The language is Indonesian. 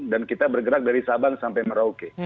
dan kita bergerak dari sabang sampai merauke